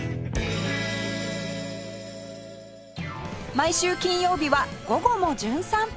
毎週金曜日は『午後もじゅん散歩』